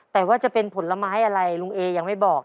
แต่ว่าจะเป็นผลไม้อะไรลุงเอยังไม่บอก